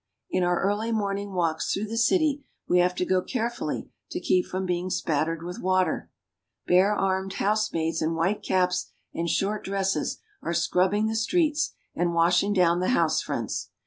In our early morning walks through the city we have to go carefully to keep from being spattered with water. Bare armed housemaids in white caps and short dresses are scrubbing the streets and washing down the house fronts.